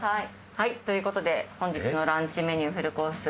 はいという事で本日のランチメニューフルコース。